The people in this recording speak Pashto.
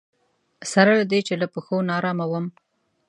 سره له دې چې له پښو ناارامه وم.